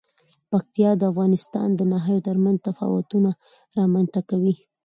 پکتیا د افغانستان د ناحیو ترمنځ تفاوتونه رامنځ ته کوي.